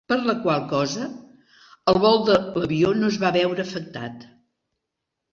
Per la qual cosa, el vol de l'avió no es va veure afectat.